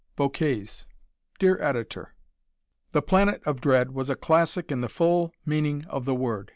Bouquets Dear Editor: "The Planet of Dread" was a classic in the full meaning of the word.